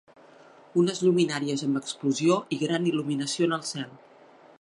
Unes lluminàries amb explosió i gran il·luminació en el cel.